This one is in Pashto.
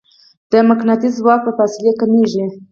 د مقناطیس ځواک په فاصلې کمېږي.